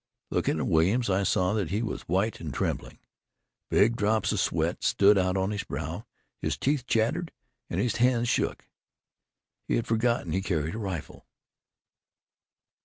Looking at Williams, I saw he was white and trembling. Big drops of sweat stood out on his brow his teeth chattered, and his hands shook. He had forgotten he carried a rifle."